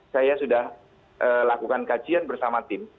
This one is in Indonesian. saya sudah lakukan kajian bersama tim